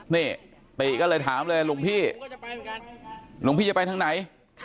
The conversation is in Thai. นี่ติก็เลยถามเลยหลวงพี่หลวงพี่จะไปทางไหน